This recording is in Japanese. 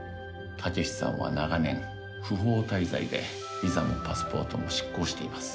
武志さんは長年不法滞在でビザもパスポートも失効しています。